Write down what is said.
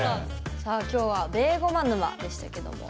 さあ今日は「ベーゴマ沼」でしたけども。